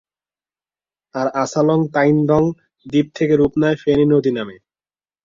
আর আসালং-তাইন্দং দ্বীপ থেকে রূপ নেয় ফেনী নদী নামে।